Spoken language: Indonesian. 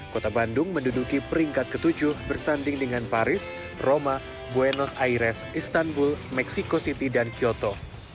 kota bandung menduduki peringkat ke tujuh bersanding dengan paris roma buenos aires istanbul meksiko city dan kyoto